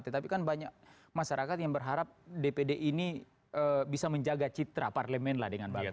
tetapi kan banyak masyarakat yang berharap dpd ini bisa menjaga citra parlemen lah dengan bagus